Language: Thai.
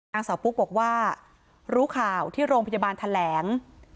นางสาวปุ๊กบอกว่ารู้ข่าวที่โรงพยาบาลแถลง